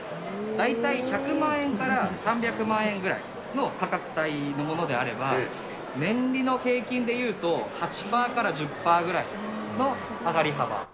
大体１００万円から３００万円ぐらいの価格帯のものであれば、年利の平均で言うと、８パーから１０パーぐらいの上がり幅。